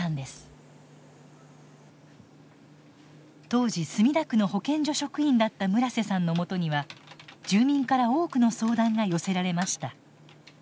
当時墨田区の保健所職員だった村瀬さんのもとには住民から多くの相談が寄せられました。